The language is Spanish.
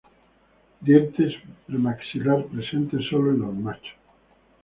Dientes premaxilar presentes solo en los machos.